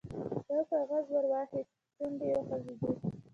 یو کاغذ ور واخیست، شونډې یې وخوځېدې.